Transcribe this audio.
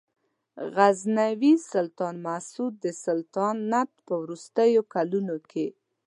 غزنوي سلطان مسعود د سلطنت په وروستیو کلونو کې.